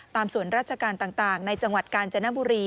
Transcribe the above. ส่วนราชการต่างในจังหวัดกาญจนบุรี